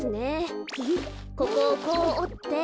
ここをこうおって。